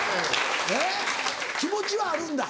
気持ちはあるんだ。